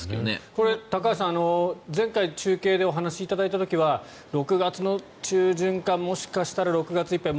これ、高橋さん前回中継でお話しいただいた時は６月の中旬かもしかしたら６月いっぱい